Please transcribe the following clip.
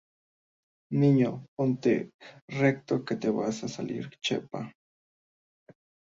Niño, ponte recto que te va a salir chepa